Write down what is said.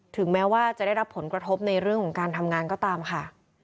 ถึงแม้ว่าจะได้รับผลกระทบในเรื่องของการทำงานก็ตามค่ะ